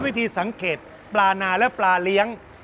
วิธีสังเกตปลานาและปลาเลี้ยง